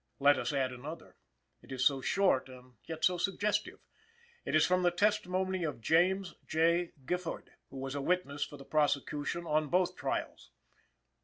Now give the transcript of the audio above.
Let us add another; it is so short and yet so suggestive. It is from the testimony of James J. Gifford, who was a witness for the prosecution on both trials.